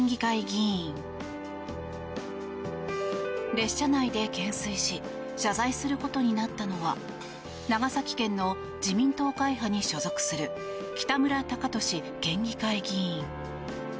列車内で懸垂し謝罪することになったのは長崎県の自民党会派に所属する北村貴寿県議会議員。